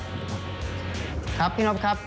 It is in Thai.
ก็คือคุณอันนบสิงต์โตทองนะครับ